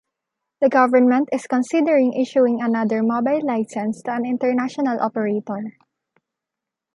The government is considering issuing another mobile licence to an international operator.